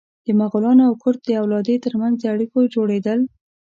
د مغولانو او کرت د اولادې تر منځ اړیکو جوړېدل.